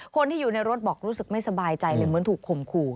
คนที่อยู่ในรถบอกรู้สึกไม่สบายใจเลยเหมือนถูกข่มขู่